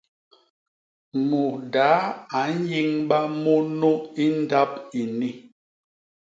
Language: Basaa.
Mudaa a nyiñba munu i ndap ini!